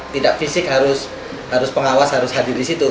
tidak fisik harus pengawas harus hadir disitu